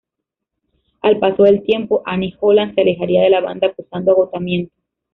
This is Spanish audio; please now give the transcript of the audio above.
Al paso del tiempo, Annie Holland se alejaría de la banda acusando agotamiento.